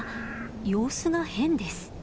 様子が変です。